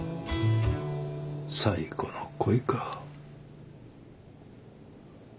最後の恋か。